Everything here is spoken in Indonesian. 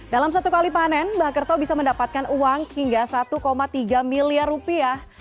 dalam satu kali panen mbak kerto bisa mendapatkan uang hingga satu tiga miliar rupiah